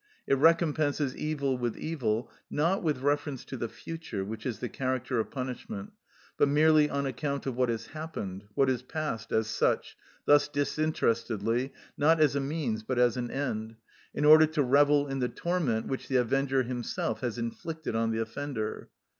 It recompenses evil with evil, not with reference to the future, which is the character of punishment, but merely on account of what has happened, what is past, as such, thus disinterestedly, not as a means, but as an end, in order to revel in the torment which the avenger himself has inflicted on the offender.